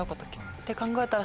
って考えたら。